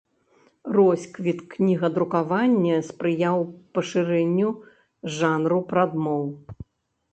Росквіт кнігадрукавання спрыяў пашырэнню жанру прадмоў.